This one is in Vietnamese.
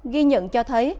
ghi nhận cho thấy